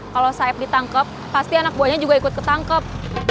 kalau saeb ditangkep pasti anak buahnya juga ikut ketangkep